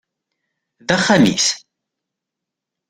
D axxam-is.